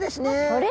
あれ？